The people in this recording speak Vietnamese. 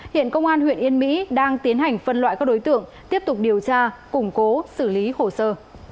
hiện công an huyện yên mỹ đang tiến hành phân loại các đối tượng tiếp tục điều tra củng cố xử lý hồ sơ